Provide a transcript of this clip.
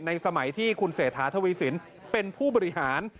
ในสมัยที่คุณเสถาธวิสินเป็นผู้บริหาร